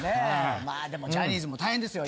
まあでもジャニーズも大変ですよ